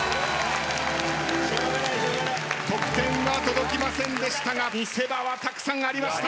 得点は届きませんでしたが見せ場はたくさんありました。